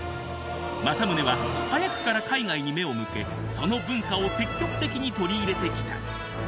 政宗は早くから海外に目を向けその文化を積極的に取り入れてきた。